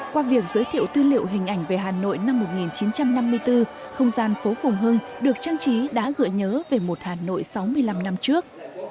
qua việc giới thiệu tư liệu hình ảnh về hà nội năm một nghìn chín trăm năm mươi bốn không gian phố phùng hưng được trang trí đã gợi nhớ về một hà nội sáu mươi năm năm trước